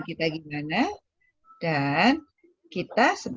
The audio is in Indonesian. tapi memang beberapa orang pada kondisi stres